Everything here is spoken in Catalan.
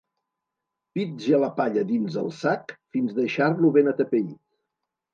Pitja la palla dins el sac fins deixar-lo ben atepeït.